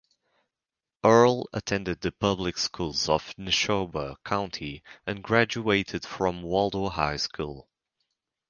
Earl attended the public schools of Neshoba County and graduated from Waldo High School.